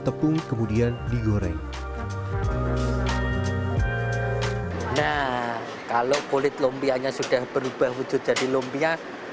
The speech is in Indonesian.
tepung kemudian digoreng nah kalau kulit lumpianya sudah berubah wujud jadi lumpia